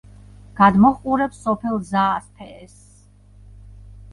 გადმოჰყურებს სოფელ ზაას-ფეეს.